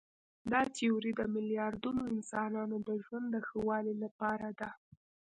دا تیوري د میلیاردونو انسانانو د ژوند د ښه والي لپاره ده.